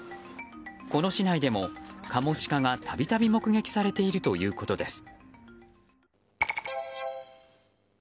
この市内でも、カモシカが度々目撃されているということです。